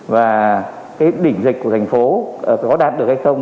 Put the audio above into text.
và cái đỉnh dịch của thành phố có đạt được hay không